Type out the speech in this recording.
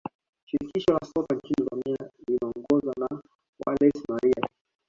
shirikisho la soka nchini Tanzania linaongozwa na wallace Maria